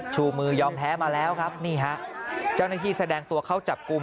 ชูมือยอมแพ้มาแล้วครับนี่ฮะเจ้าหน้าที่แสดงตัวเข้าจับกลุ่ม